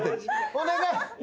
お願い！